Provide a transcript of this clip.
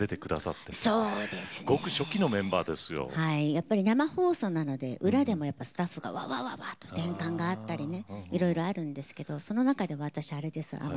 やっぱり生放送なので裏でもスタッフがワーワーワーワーと転換があったりねいろいろあるんですけどその中で私あれです